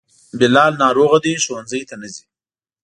بلال ناروغه دی, ښونځي ته نه ځي